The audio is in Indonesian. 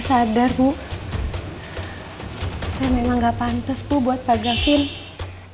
saya sadar bu saya memang gak pantes bu buat pak gafin